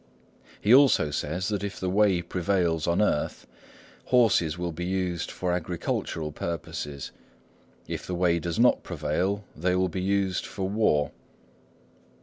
He also says that if the Way prevails on earth, horses will be used for agricultural purposes; if the Way does not prevail, they will be used for war.